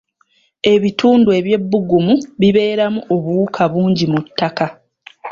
Ebitundu eby'ebbugumu bibeeramu obuwuka bungi mu ttaka